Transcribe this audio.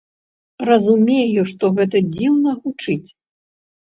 Разумею, што гэта дзіўна гучыць.